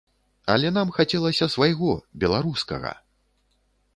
Але нам хацелася свайго, беларускага!